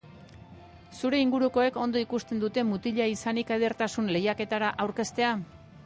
Zure ingurukoek ondo ikusten dute mutila izanik edertasun lehiaketetara aurkeztea?